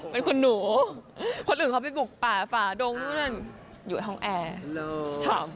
เป็นคุณหนูคนอื่นเขาไปบุกป่าฝ่าดงอยู่ห้องแอร์